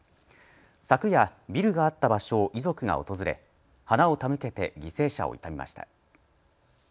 昨夜、ビルがあった場所を遺族が訪れ花を手向けて犠牲者を悼みました。